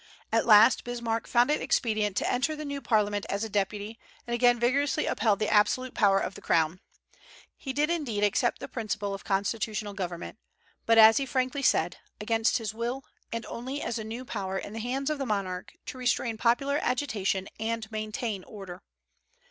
At last, Bismarck found it expedient to enter the new parliament as a deputy, and again vigorously upheld the absolute power of the crown. He did, indeed, accept the principle of constitutional government, but, as he frankly said, against his will, and only as a new power in the hands of the monarch to restrain popular agitation and maintain order.